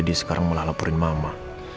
dia sekarang malah laporin mama